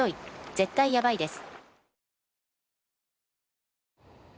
絶対やばいです。